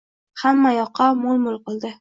Hamma yoqqa moʻl-moʻl qildi